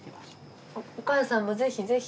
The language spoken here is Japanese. お母さんもぜひぜひ。